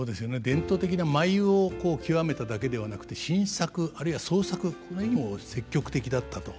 伝統的な舞を究めただけではなくて新作あるいは創作これにも積極的だったと。